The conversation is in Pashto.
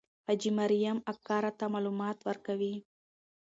حاجي مریم اکا راته معلومات ورکوي.